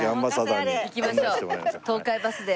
行きましょう東海バスで。